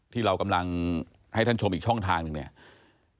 ที่เรากำลังให้ท่านชมอีกช่องทางหนึ่งเนี่ย